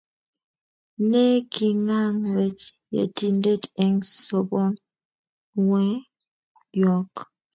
Ne king'ang 'wech Yetindet eng` sobonwekyok.